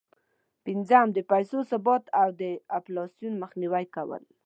پنځم: د پیسو ثبات او د انفلاسون مخنیوی کول.